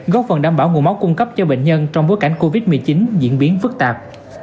góp phần đảm bảo nguồn máu cung cấp cho bệnh nhân trong bối cảnh covid một mươi chín diễn biến phức tạp